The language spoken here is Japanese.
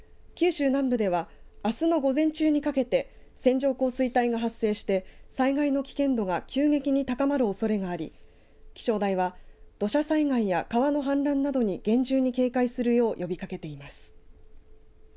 九州南部ではあすの午前中にかけて線状降水帯が発生して災害の危険度が急激に高まるおそれがあり気象台は土砂災害や川の氾濫などに厳重に警戒するよう呼びかけています。